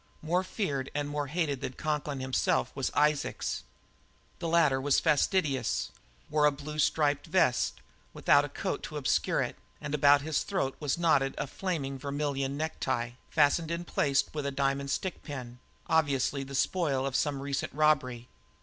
More feared and more hated than Conklin himself was Isaacs. The latter, always fastidious, wore a blue striped vest, without a coat to obscure it, and about his throat was knotted a flaming vermilion necktie, fastened in place with a diamond stickpin obviously the spoil of some recent robbery.